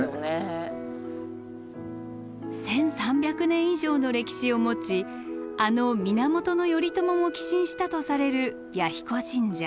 １，３００年以上の歴史を持ちあの源頼朝も寄進したとされる彌彦神社。